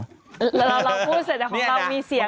เราพูดเสร็จแต่ของเรามีเสียง